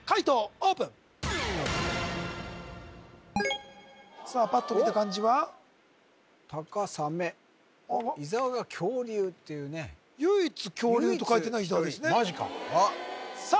オープンさあパッと見た感じはタカサメあっ伊沢が恐竜っていうね唯一恐竜と書いてるのは伊沢ですねマジかさあ